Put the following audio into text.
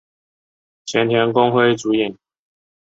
前田公辉主演。